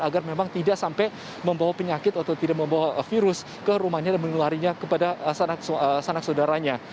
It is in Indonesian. agar memang tidak sampai membawa penyakit atau tidak membawa virus ke rumahnya dan menularinya kepada sanak saudaranya